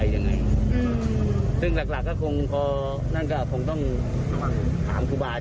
กดช่วงใหญ่กว่าถ้าชัดเจนเนี่ยเด็กก็คือแบบอยู่กับอาวุธอ่ะ